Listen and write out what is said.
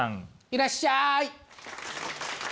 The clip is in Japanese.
いらっしゃい！